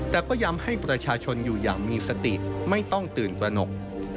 แต่ก็ย้ำให้ประชาชนอยู่อย่างมีสติไม่ต้องตื่นตระหนก